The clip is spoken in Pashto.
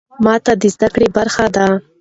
ماتې د زده کړې برخه ده.